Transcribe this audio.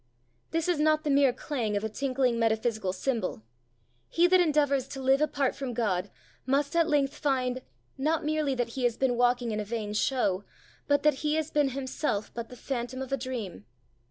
This is not the mere clang of a tinkling metaphysical cymbal; he that endeavours to live apart from God must at length find not merely that he has been walking in a vain show, but that he has been himself but the phantom of a dream.